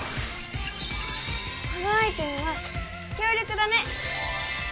このアイテムは強力だね！